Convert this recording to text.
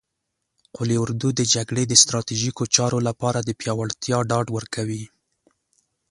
قول اردو د جګړې د ستراتیژیکو چارو لپاره د پیاوړتیا ډاډ ورکوي.